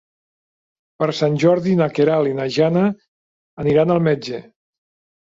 Per Sant Jordi na Queralt i na Jana aniran al metge.